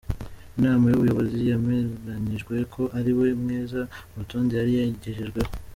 Inama y’ubuyobozi yemeranyijwe ko ari we mwiza mu rutonde yari yagejejweho.